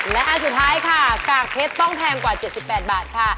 และอันสุดท้ายค่ะกาเทศต้องแทงกว่า๗๘บาท